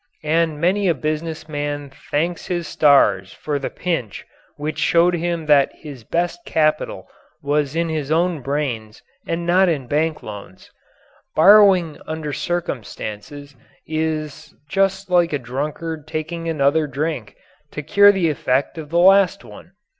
And many a business man thanks his stars for the pinch which showed him that his best capital was in his own brains and not in bank loans. Borrowing under certain circumstances is just like a drunkard taking another drink to cure the effect of the last one.